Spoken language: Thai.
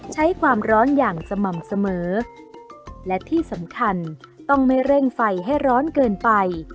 ใช้ความร้อนอย่างสม่ำเสมอและที่สำคัญต้องไม่เร่งไฟให้ร้อนเกินไป